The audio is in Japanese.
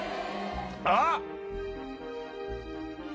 あっ！